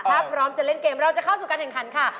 ถ้าพร้อมจะเล่นเกมเราจะเข้าสู่การแข่งขันค่ะ